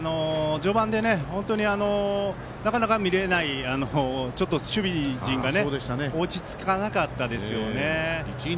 序盤で本当になかなか見れないちょっと守備陣が落ち着かなかったですよね。